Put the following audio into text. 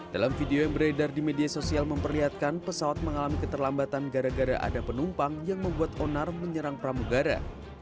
dalam video yang beredar di media sosial memperlihatkan pesawat mengalami keterlambatan gara gara ada penumpang yang membuat onar menyerang pramugara